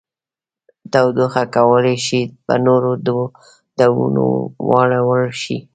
تودوخه کولی شي په نورو ډولونو واړول شي.